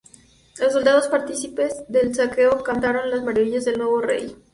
Los soldados, partícipes del saqueo, cantaron las maravillas del nuevo virrey.